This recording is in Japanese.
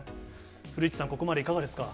古市さん、ここまでいかがですか？